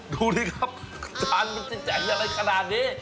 ดูนี่ครับจานมันจะจ่ายแล้วอะไรขนาดนี้